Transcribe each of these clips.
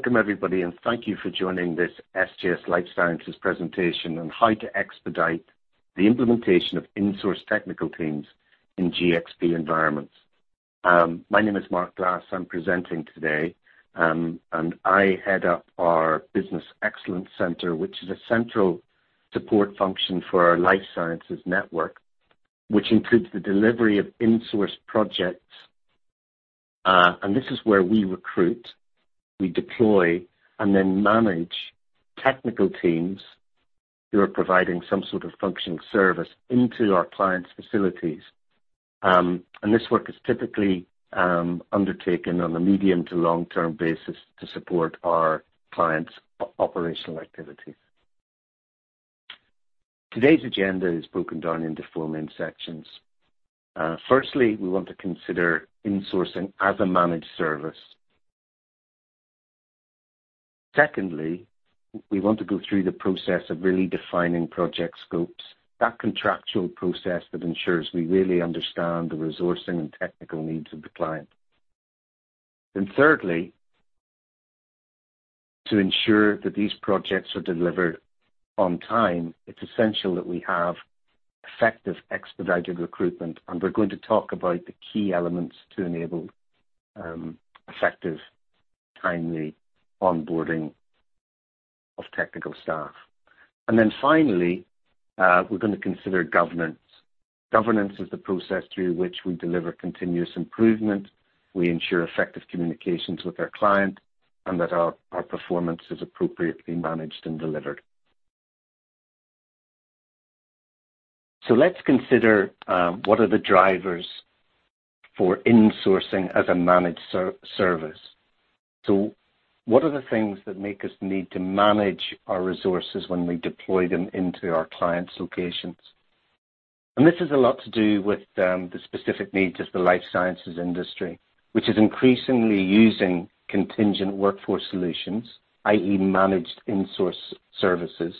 Welcome, everybody, and thank you for joining this SGS Life Sciences presentation on how to expedite the implementation of insource technical teams in GxP environments. My name is Mark Glass. I'm presenting today, and I head up our Business Excellence Center, which is a central support function for our Life Sciences network, which includes the delivery of insource projects. And this is where we recruit, we deploy, and then manage technical teams who are providing some sort of functional service into our clients' facilities. And this work is typically undertaken on a medium to long-term basis to support our clients' operational activities. Today's agenda is broken down into four main sections. Firstly, we want to consider insourcing as a managed service. Secondly, we want to go through the process of really defining project scopes, that contractual process that ensures we really understand the resourcing and technical needs of the client. And thirdly, to ensure that these projects are delivered on time, it's essential that we have effective expedited recruitment, and we're going to talk about the key elements to enable effective timely onboarding of technical staff. And then finally, we're gonna consider governance. Governance is the process through which we deliver continuous improvement, we ensure effective communications with our client, and that our performance is appropriately managed and delivered. So let's consider what are the drivers for insourcing as a managed service. So what are the things that make us need to manage our resources when we deploy them into our clients' locations? And this has a lot to do with the specific needs of the life sciences industry, which is increasingly using contingent workforce solutions, i.e., managed insource services,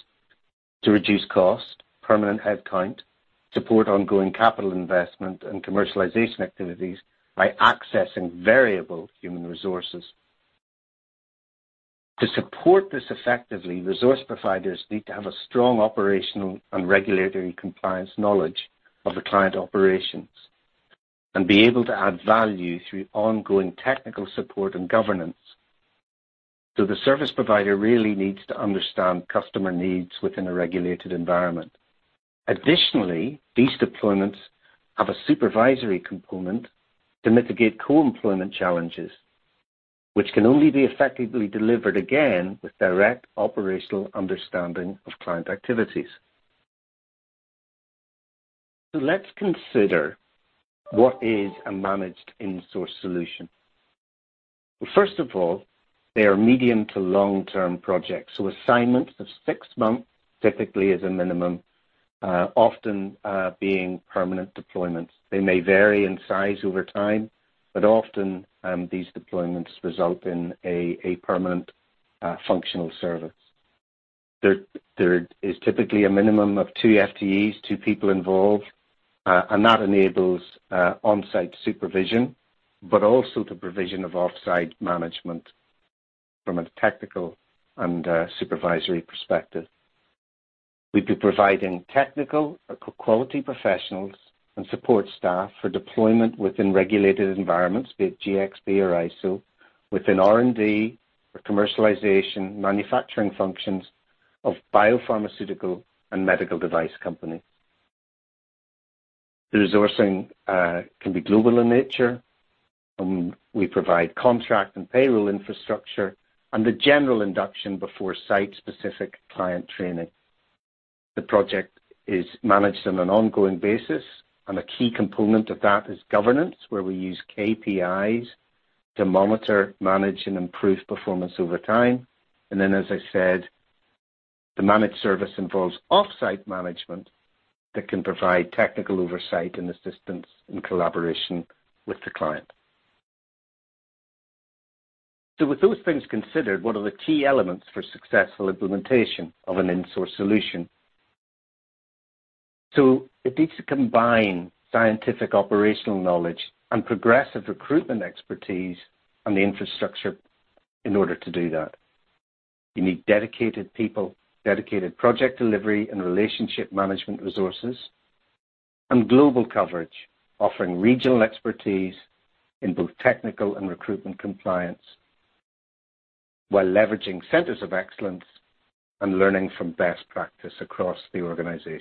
to reduce cost, permanent headcount, support ongoing capital investment, and commercialization activities by accessing variable human resources. To support this effectively, resource providers need to have a strong operational and regulatory compliance knowledge of the client operations and be able to add value through ongoing technical support and governance. So the service provider really needs to understand customer needs within a regulated environment. Additionally, these deployments have a supervisory component to mitigate co-employment challenges, which can only be effectively delivered again with direct operational understanding of client activities. So let's consider what is a managed insource solution. Well, first of all, they are medium to long-term projects. So assignments of six months typically is a minimum, often, being permanent deployments. They may vary in size over time, but often, these deployments result in a permanent, functional service. There is typically a minimum of two FTEs, two people involved, and that enables on-site supervision but also the provision of off-site management from a technical and supervisory perspective. We've been providing technical quality professionals and support staff for deployment within regulated environments, be it GxP or ISO, within R&D or commercialization, manufacturing functions of biopharmaceutical and medical device companies. The resourcing can be global in nature, and we provide contract and payroll infrastructure and the general induction before site-specific client training. The project is managed on an ongoing basis, and a key component of that is governance, where we use KPIs to monitor, manage, and improve performance over time. And then, as I said, the managed service involves off-site management that can provide technical oversight and assistance in collaboration with the client. So with those things considered, what are the key elements for successful implementation of an insource solution? So it needs to combine scientific operational knowledge and progressive recruitment expertise and the infrastructure in order to do that. You need dedicated people, dedicated project delivery, and relationship management resources, and global coverage, offering regional expertise in both technical and recruitment compliance while leveraging centers of excellence and learning from best practice across the organization.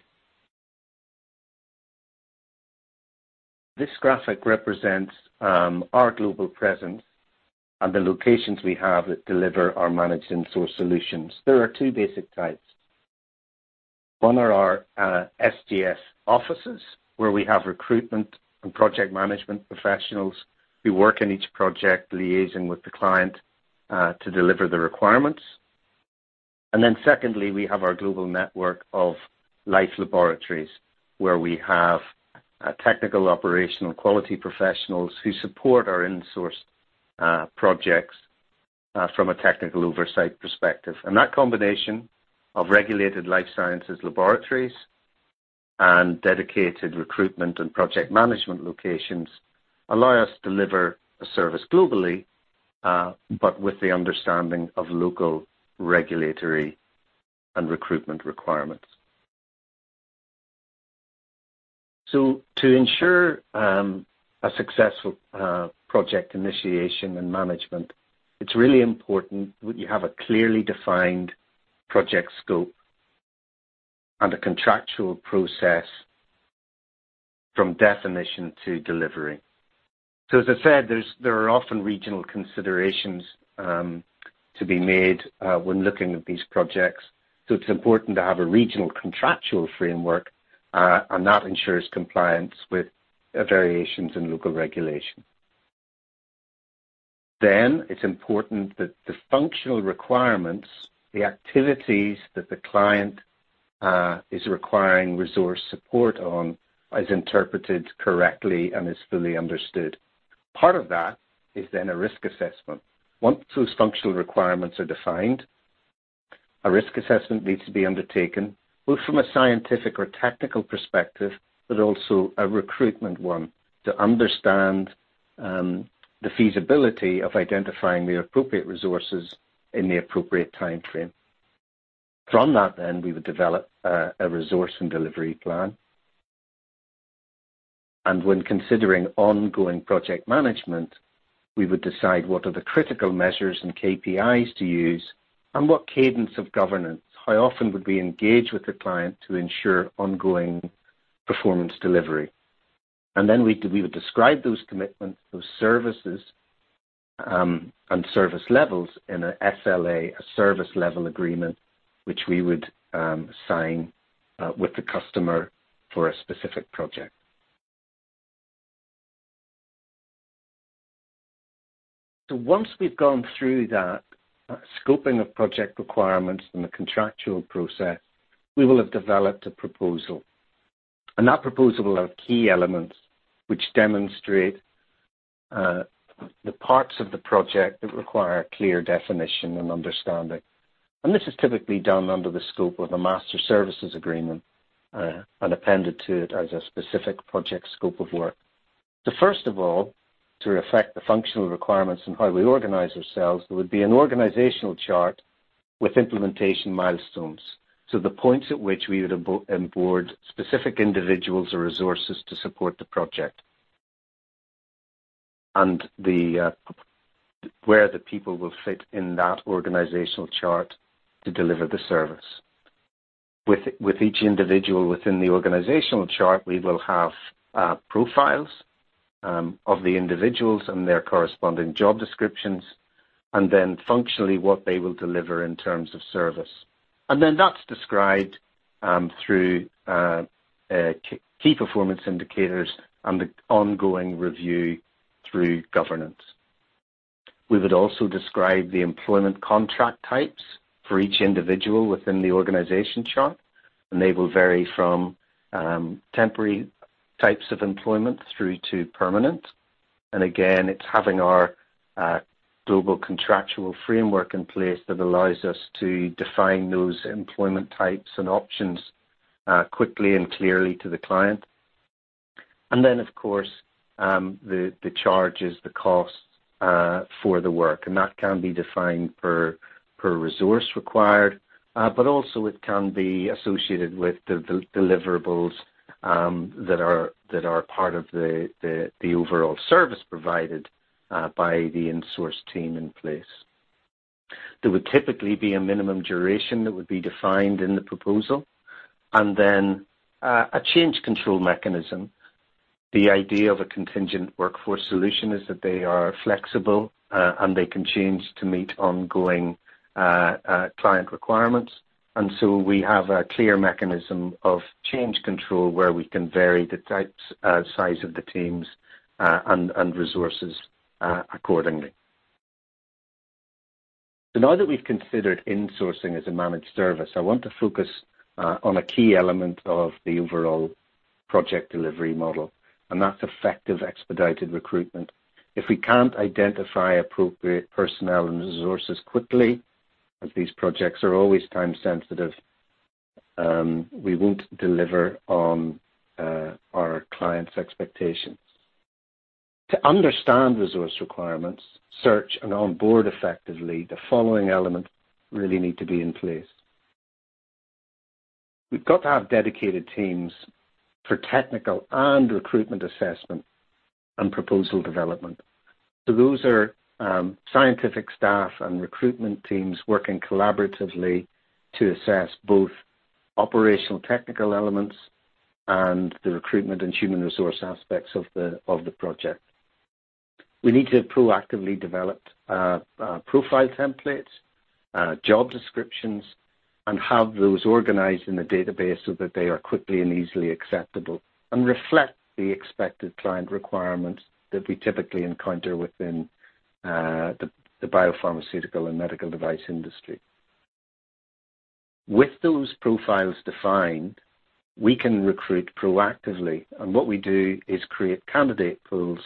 This graphic represents our global presence and the locations we have that deliver our managed insource solutions. There are two basic types. One are our SGS offices, where we have recruitment and project management professionals who work in each project liaising with the client to deliver the requirements. And then secondly, we have our global network of life laboratories, where we have technical operational quality professionals who support our insource projects from a technical oversight perspective. That combination of regulated life sciences laboratories and dedicated recruitment and project management locations allows us to deliver a service globally, but with the understanding of local regulatory and recruitment requirements. To ensure a successful project initiation and management, it's really important that you have a clearly defined project scope and a contractual process from definition to delivery. As I said, there are often regional considerations to be made when looking at these projects. It's important to have a regional contractual framework, and that ensures compliance with variations in local regulation. It's important that the functional requirements, the activities that the client is requiring resource support on, are interpreted correctly and are fully understood. Part of that is then a risk assessment. Once those functional requirements are defined, a risk assessment needs to be undertaken, both from a scientific or technical perspective but also a recruitment one, to understand the feasibility of identifying the appropriate resources in the appropriate time frame. From that, then, we would develop a resource and delivery plan. When considering ongoing project management, we would decide what are the critical measures and KPIs to use and what cadence of governance, how often would we engage with the client to ensure ongoing performance delivery. Then we would describe those commitments, those services, and service levels in a SLA, a service-level agreement, which we would sign with the customer for a specific project. So once we've gone through that, scoping of project requirements and the contractual process, we will have developed a proposal. That proposal will have key elements which demonstrate the parts of the project that require clear definition and understanding. This is typically done under the scope of a master services agreement, and appended to it as a specific project scope of work. First of all, to reflect the functional requirements and how we organize ourselves, there would be an organizational chart with implementation milestones. The points at which we would onboard specific individuals or resources to support the project and where the people will fit in that organizational chart to deliver the service. With each individual within the organizational chart, we will have profiles of the individuals and their corresponding job descriptions, and then functionally what they will deliver in terms of service. That's described through key performance indicators and the ongoing review through governance. We would also describe the employment contract types for each individual within the organization chart, and they will vary from temporary types of employment through to permanent. Again, it's having our global contractual framework in place that allows us to define those employment types and options, quickly and clearly to the client. Then, of course, the charges, the costs, for the work. That can be defined per resource required, but also it can be associated with the deliverables that are part of the overall service provided by the insource team in place. There would typically be a minimum duration that would be defined in the proposal and then a change control mechanism. The idea of a contingent workforce solution is that they are flexible, and they can change to meet ongoing client requirements. And so we have a clear mechanism of change control where we can vary the types, size of the teams, and resources, accordingly. So now that we've considered insourcing as a managed service, I want to focus on a key element of the overall project delivery model, and that's effective expedited recruitment. If we can't identify appropriate personnel and resources quickly, as these projects are always time-sensitive, we won't deliver on our client's expectations. To understand resource requirements, search and onboard effectively, the following elements really need to be in place. We've got to have dedicated teams for technical and recruitment assessment and proposal development. So those are scientific staff and recruitment teams working collaboratively to assess both operational technical elements and the recruitment and human resource aspects of the project. We need to have proactively developed profile templates, job descriptions, and have those organized in the database so that they are quickly and easily accessible and reflect the expected client requirements that we typically encounter within the biopharmaceutical and medical device industry. With those profiles defined, we can recruit proactively. What we do is create candidate pools,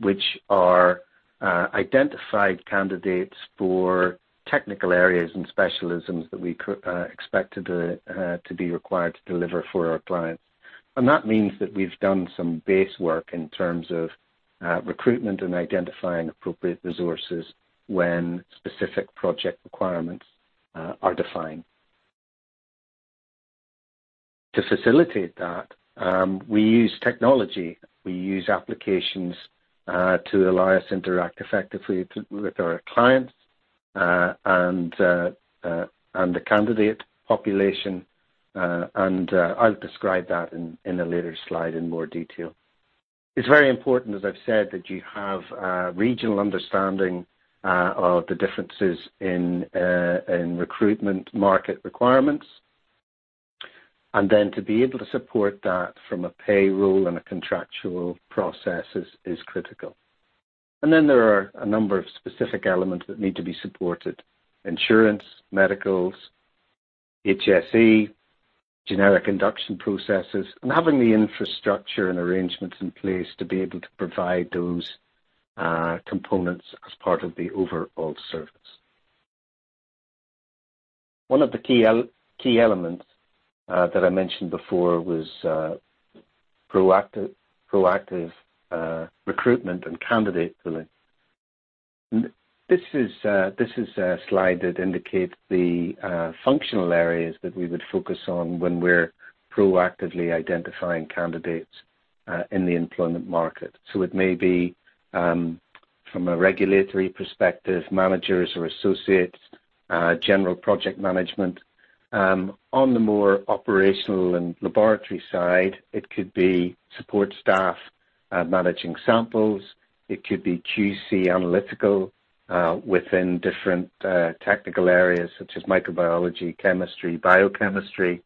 which are identified candidates for technical areas and specialisms that we expect to be required to deliver for our clients. That means that we've done some base work in terms of recruitment and identifying appropriate resources when specific project requirements are defined. To facilitate that, we use technology. We use applications to allow us to interact effectively with our clients and the candidate population. I'll describe that in a later slide in more detail. It's very important, as I've said, that you have regional understanding of the differences in recruitment market requirements. And then to be able to support that from a payroll and a contractual process is critical. And then there are a number of specific elements that need to be supported: insurance, medicals, HSE, generic induction processes, and having the infrastructure and arrangements in place to be able to provide those components as part of the overall service. One of the key elements that I mentioned before was proactive recruitment and candidate pooling. And this is a slide that indicates the functional areas that we would focus on when we're proactively identifying candidates in the employment market. So it may be from a regulatory perspective, managers or associates, general project management. On the more operational and laboratory side, it could be support staff, managing samples. It could be QC analytical within different technical areas such as microbiology, chemistry, biochemistry.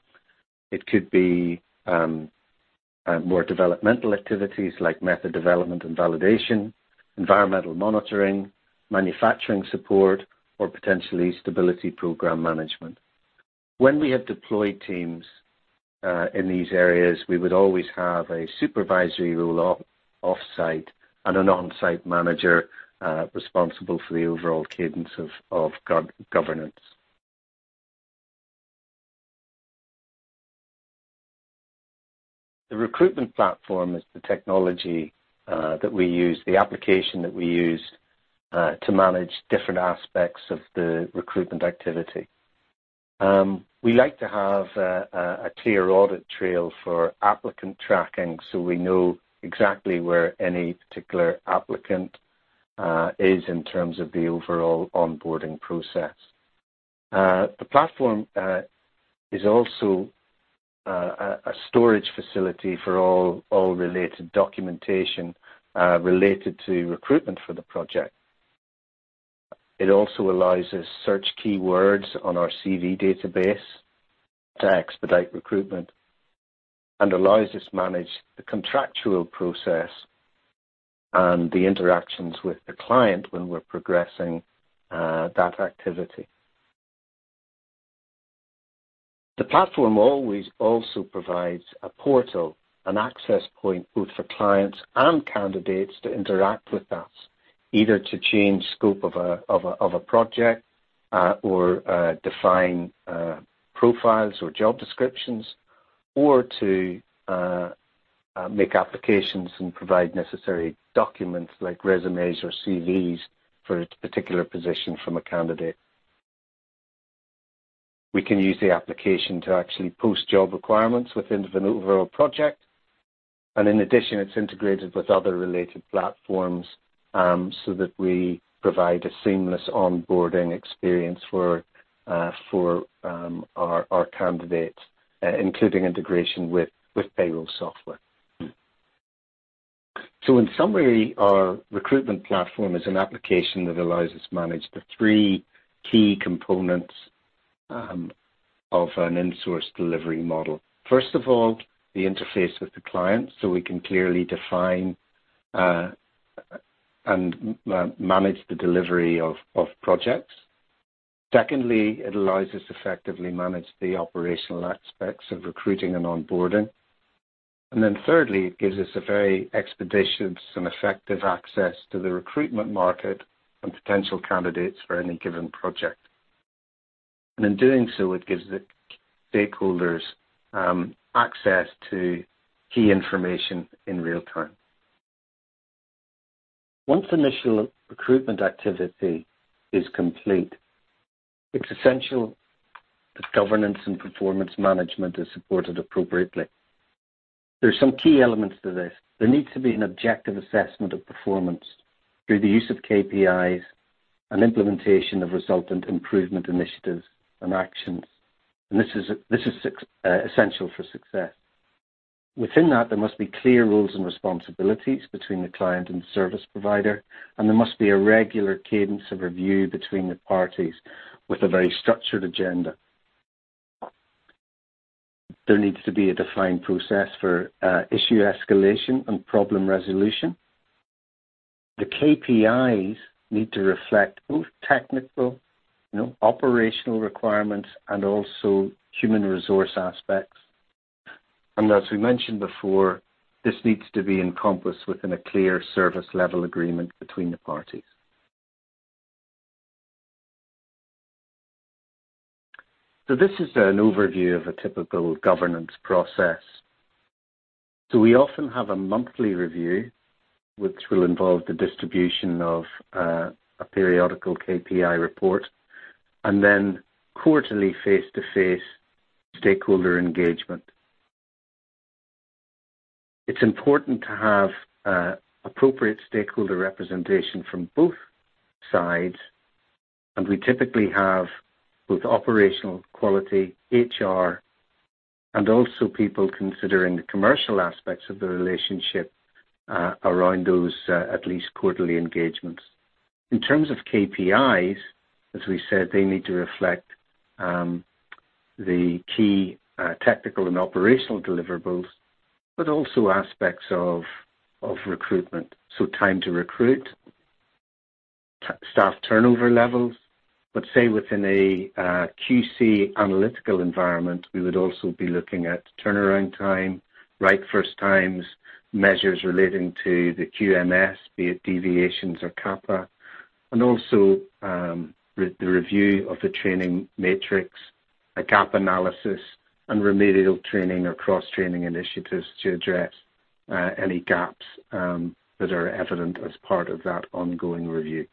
It could be more developmental activities like method development and validation, environmental monitoring, manufacturing support, or potentially stability program management. When we have deployed teams in these areas, we would always have a supervisory role offsite and an on-site manager responsible for the overall cadence of governance. The recruitment platform is the technology that we use, the application that we use, to manage different aspects of the recruitment activity. We like to have a clear audit trail for applicant tracking so we know exactly where any particular applicant is in terms of the overall onboarding process. The platform is also a storage facility for all related documentation related to recruitment for the project. It also allows us to search keywords on our CV database to expedite recruitment and allows us to manage the contractual process and the interactions with the client when we're progressing that activity. The platform always also provides a portal, an access point, both for clients and candidates to interact with that, either to change scope of a project, or define profiles or job descriptions, or to make applications and provide necessary documents like resumes or CVs for a particular position from a candidate. We can use the application to actually post job requirements within the overall project. In addition, it's integrated with other related platforms, so that we provide a seamless onboarding experience for our candidates, including integration with payroll software. So in summary, our recruitment platform is an application that allows us to manage the three key components of an insource delivery model. First of all, the interface with the client so we can clearly define and manage the delivery of projects. Secondly, it allows us to effectively manage the operational aspects of recruiting and onboarding. And then thirdly, it gives us a very expeditious and effective access to the recruitment market and potential candidates for any given project. And in doing so, it gives the stakeholders access to key information in real time. Once initial recruitment activity is complete, it's essential that governance and performance management are supported appropriately. There are some key elements to this. There needs to be an objective assessment of performance through the use of KPIs and implementation of resultant improvement initiatives and actions. And this is essential for success. Within that, there must be clear roles and responsibilities between the client and the service provider, and there must be a regular cadence of review between the parties with a very structured agenda. There needs to be a defined process for issue escalation and problem resolution. The KPIs need to reflect both technical, you know, operational requirements and also human resource aspects. And as we mentioned before, this needs to be encompassed within a clear service-level agreement between the parties. So this is an overview of a typical governance process. So we often have a monthly review, which will involve the distribution of a periodical KPI report, and then quarterly face-to-face stakeholder engagement. It's important to have appropriate stakeholder representation from both sides. And we typically have both operational quality, HR, and also people considering the commercial aspects of the relationship, around those at least quarterly engagements. In terms of KPIs, as we said, they need to reflect the key technical and operational deliverables, but also aspects of recruitment. So, time to recruit, staff turnover levels. But say within a QC analytical environment, we would also be looking at turnaround time, right-first-time measures relating to the QMS, be it deviations or CAPA, and also the review of the training matrix, a gap analysis, and remedial training or cross-training initiatives to address any gaps that are evident as part of that ongoing review.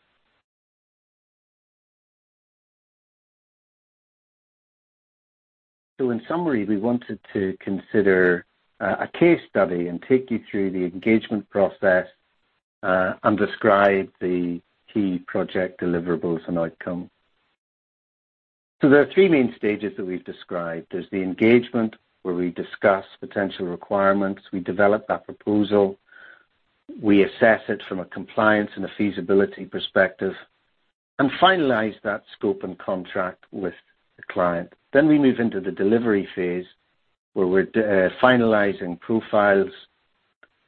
So, in summary, we wanted to consider a case study and take you through the engagement process and describe the key project deliverables and outcomes. So, there are three main stages that we've described. There's the engagement, where we discuss potential requirements. We develop that proposal. We assess it from a compliance and a feasibility perspective and finalize that scope and contract with the client. Then we move into the delivery phase, where we're finalizing profiles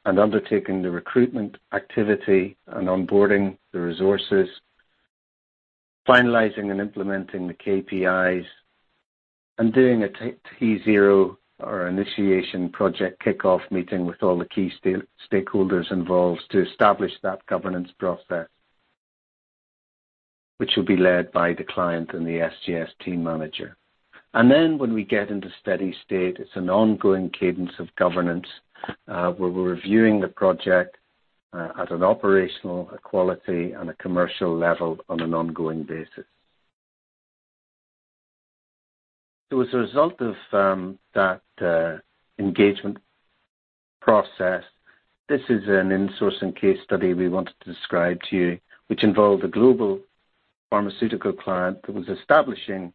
and undertaking the recruitment activity and onboarding the resources, finalizing and implementing the KPIs, and doing a T-zero or initiation project kickoff meeting with all the key stakeholders involved to establish that governance process, which will be led by the client and the SGS team manager. And then when we get into steady state, it's an ongoing cadence of governance, where we're reviewing the project at an operational, a quality, and a commercial level on an ongoing basis. So as a result of that engagement process, this is an insourcing case study we wanted to describe to you, which involved a global pharmaceutical client that was establishing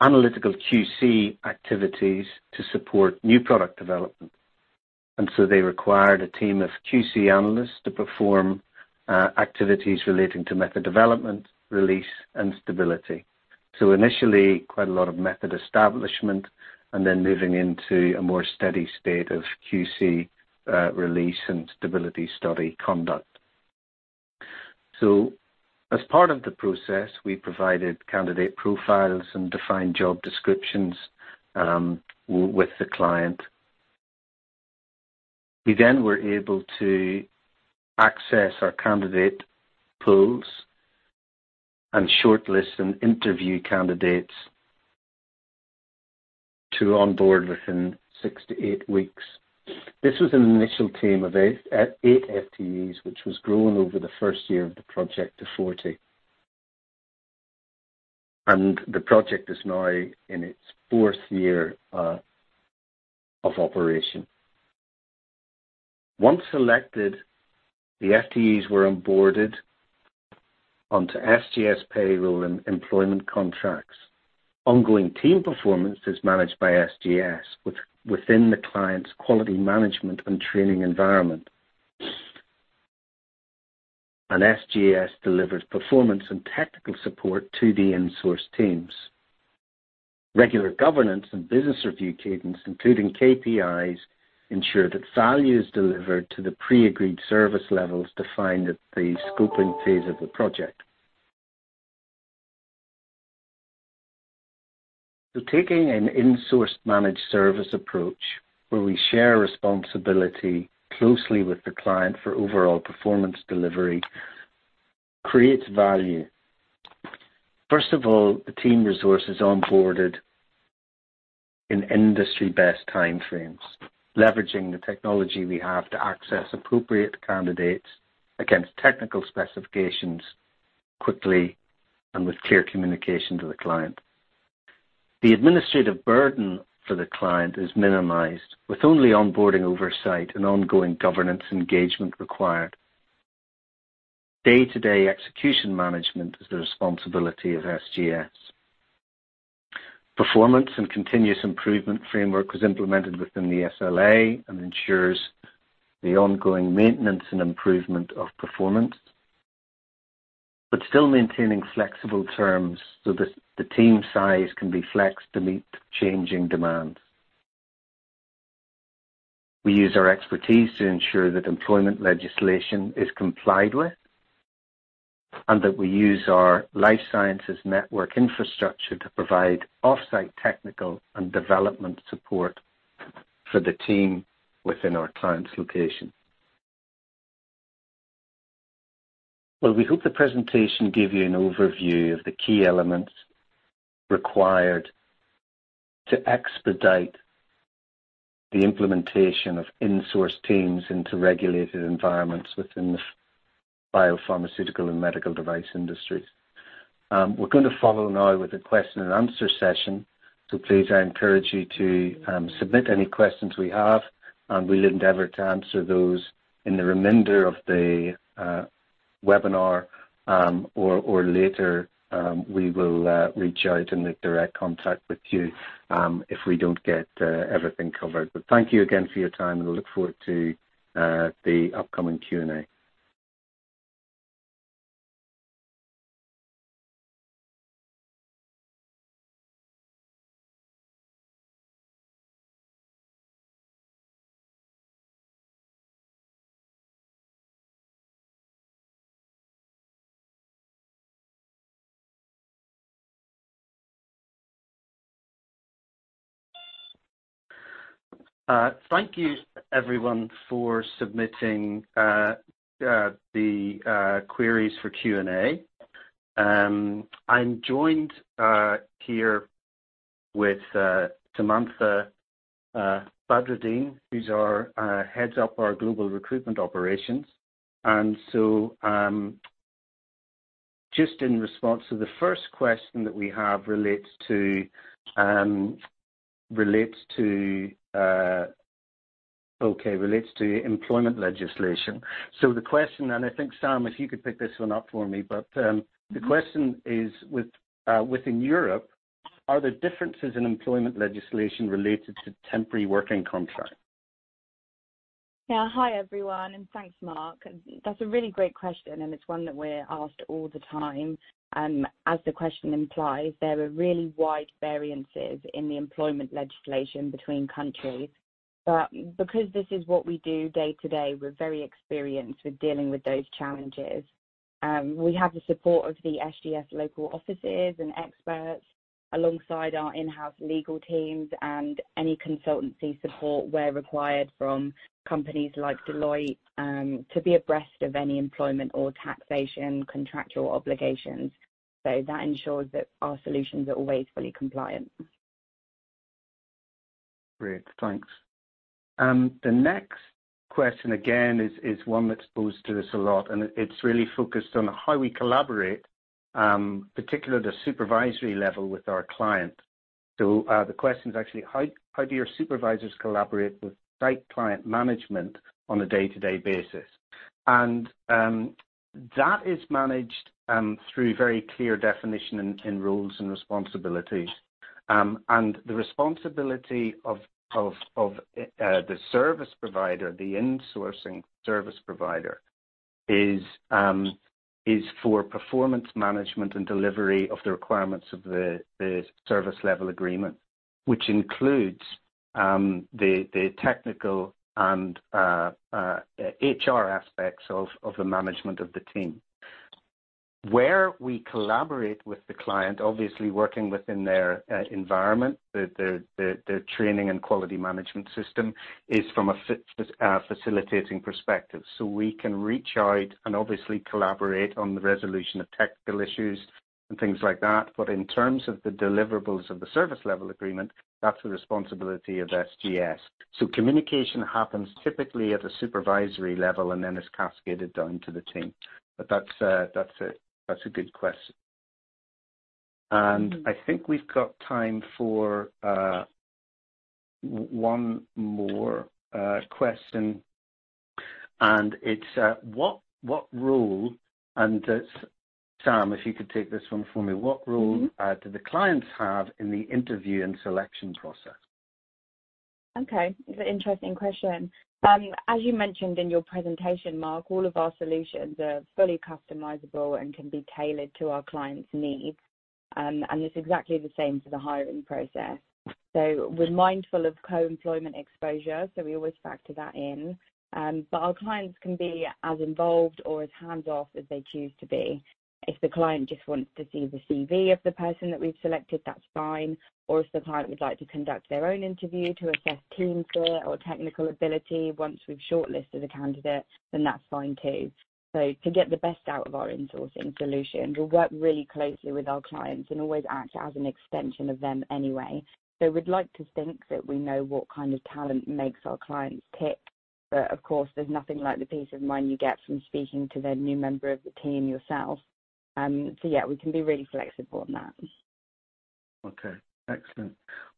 analytical QC activities to support new product development. They required a team of QC analysts to perform activities relating to method development, release, and stability. Initially, quite a lot of method establishment and then moving into a more steady state of QC, release and stability study conduct. As part of the process, we provided candidate profiles and defined job descriptions with the client. We then were able to access our candidate pools and shortlist and interview candidates to onboard within 6-8 weeks. This was an initial team of 8, 8 FTEs, which was grown over the first year of the project to 40. The project is now in its fourth year of operation. Once selected, the FTEs were onboarded onto SGS payroll and employment contracts. Ongoing team performance is managed by SGS within the client's quality management and training environment. SGS delivers performance and technical support to the insource teams. Regular governance and business review cadence, including KPIs, ensure that value is delivered to the pre-agreed service levels defined at the scoping phase of the project. Taking an insource managed service approach, where we share responsibility closely with the client for overall performance delivery, creates value. First of all, the team resource is onboarded in industry-best timeframes, leveraging the technology we have to access appropriate candidates against technical specifications quickly and with clear communication to the client. The administrative burden for the client is minimized, with only onboarding oversight and ongoing governance engagement required. Day-to-day execution management is the responsibility of SGS. Performance and continuous improvement framework was implemented within the SLA and ensures the ongoing maintenance and improvement of performance, but still maintaining flexible terms so that the team size can be flexed to meet changing demands. We use our expertise to ensure that employment legislation is complied with and that we use our life sciences network infrastructure to provide offsite technical and development support for the team within our client's location. Well, we hope the presentation gave you an overview of the key elements required to expedite the implementation of insource teams into regulated environments within the biopharmaceutical and medical device industries. We're gonna follow now with a question-and-answer session. So please, I encourage you to submit any questions we have, and we'll endeavor to answer those in the remainder of the webinar, or later, we will reach out and make direct contact with you, if we don't get everything covered. But thank you again for your time, and we'll look forward to the upcoming Q&A. Thank you, everyone, for submitting the queries for Q&A. I'm joined here with Samantha Bhattardeen, who heads up our global recruitment operations. So, just in response to the first question that we have relates to employment legislation. So the question, and I think, Sam, if you could pick this one up for me. But the question is, within Europe, are there differences in employment legislation related to temporary working contracts? Yeah. Hi, everyone, and thanks, Mark. That's a really great question, and it's one that we're asked all the time. As the question implies, there are really wide variances in the employment legislation between countries. But because this is what we do day-to-day, we're very experienced with dealing with those challenges. We have the support of the SGS local offices and experts alongside our in-house legal teams and any consultancy support we're required from companies like Deloitte, to be abreast of any employment or taxation contractual obligations. So that ensures that our solutions are always fully compliant. Great. Thanks. The next question again is one that's posed to us a lot, and it's really focused on how we collaborate, particularly at a supervisory level with our client. So, the question's actually, how do your supervisors collaborate with site client management on a day-to-day basis? That is managed through very clear definition in roles and responsibilities. And the responsibility of the service provider, the insourcing service provider, is for performance management and delivery of the requirements of the service-level agreement, which includes the technical and HR aspects of the management of the team. Where we collaborate with the client, obviously working within their environment, their training and quality management system is from a facilitating perspective. So we can reach out and obviously collaborate on the resolution of technical issues and things like that. But in terms of the deliverables of the service-level agreement, that's the responsibility of SGS. So communication happens typically at a supervisory level and then is cascaded down to the team. But that's it. That's a good question. And I think we've got time for one more question. It's, what, what role and, Sam, if you could take this one for me, what role, do the clients have in the interview and selection process? Okay. It's an interesting question. As you mentioned in your presentation, Mark, all of our solutions are fully customizable and can be tailored to our client's needs. It's exactly the same for the hiring process. We're mindful of co-employment exposure, so we always factor that in. Our clients can be as involved or as hands-off as they choose to be. If the client just wants to see the CV of the person that we've selected, that's fine. If the client would like to conduct their own interview to assess team fit or technical ability once we've shortlisted a candidate, then that's fine too. So to get the best out of our insourcing solution, we work really closely with our clients and always act as an extension of them anyway. So we'd like to think that we know what kind of talent makes our clients tick. But of course, there's nothing like the peace of mind you get from speaking to the new member of the team yourself. So yeah, we can be really flexible on that. Okay. Excellent.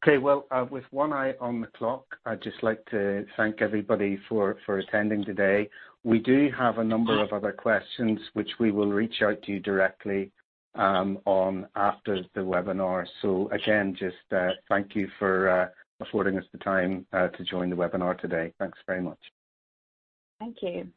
Okay. Well, with one eye on the clock, I'd just like to thank everybody for attending today. We do have a number of other questions, which we will reach out to you directly on after the webinar. So again, just thank you for affording us the time to join the webinar today. Thanks very much. Thank you.